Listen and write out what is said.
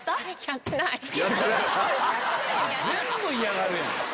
全部嫌がるやん！